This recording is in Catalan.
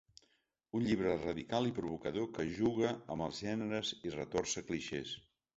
Un llibre radical i provocador que juga amb els gèneres i retorça clixés.